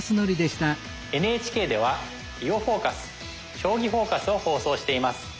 ＮＨＫでは「囲碁フォーカス」「将棋フォーカス」を放送しています。